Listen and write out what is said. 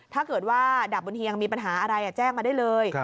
ถ้าเกิดว่าดาบบนเฮียงมีปัญหาอะไรแจ้งมาได้เลย